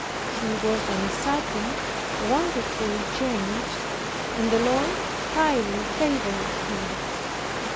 He was on a sudden wonderfully changed, and the Lord highly favored him.